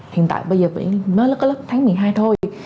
hiện tại bây giờ mới có lớp tháng một mươi hai thôi